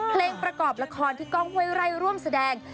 เพลงประกอบละครที่กล้องห้วยไร่ร่วมแสดง